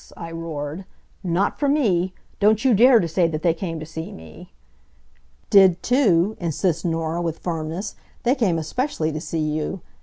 I roared, "not for me! Don't you dare to say that they came to see me!" "Did too," insists Norah, with firmness, "they came especially to see you.